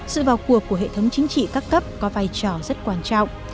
sự vào cuộc của hệ thống chính trị các cấp có vai trò rất quan trọng